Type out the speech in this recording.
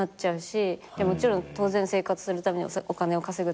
もちろん当然生活するためにお金を稼ぐためってあるけど。